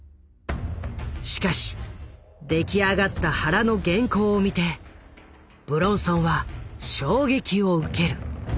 しかし出来上がった原の原稿を見て武論尊は衝撃を受ける。